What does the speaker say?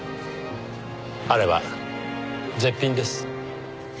あれは絶品です。